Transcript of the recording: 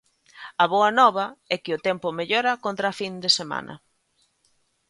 A boa nova é que o tempo mellora contra a fin de semana.